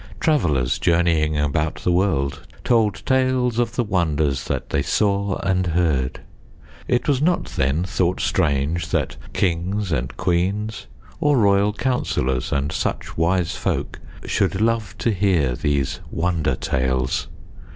Travelers journeying about the world told tales of the wonders that they saw and heard. It was not then thought strange that kings and queens or royal counselors and such wise folk should love to hear these wonder tales.